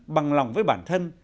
bằng lòng với bản thân